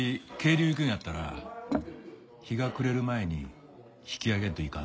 流行くんやったら日が暮れる前に引き揚げんといかんで。